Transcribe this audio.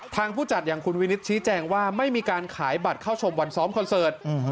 ผู้จัดอย่างคุณวินิตชี้แจงว่าไม่มีการขายบัตรเข้าชมวันซ้อมคอนเสิร์ต